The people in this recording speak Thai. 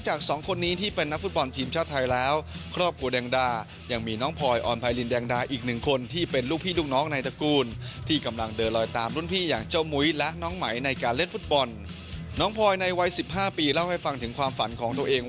ชื่อของทีนดศิษย์และธรรมดิการแดงดาคือตระกูลนักฟุตบอลที่พี่ชายและน้องสาวเป็นนักฟุตบอลทีมชาติคู่แรกของวงการฟุตบอลไทยในยกนี้